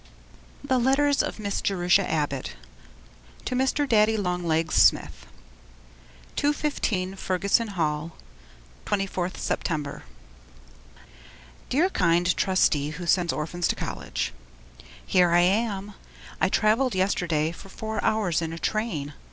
The Letters of Miss Jerusha Abbott to Mr. Daddy Long Legs Smith 215 FERGUSSEN HALL 24th September Dear Kind Trustee Who Sends Orphans to College, Here I am! I travelled yesterday for four hours in a train.